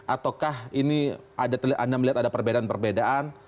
ataukah ini anda melihat ada perbedaan perbedaan